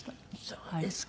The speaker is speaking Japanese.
そうですか。